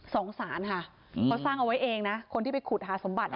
สารค่ะเขาสร้างเอาไว้เองนะคนที่ไปขุดหาสมบัติ